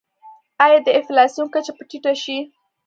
آیا د انفلاسیون کچه به ټیټه شي؟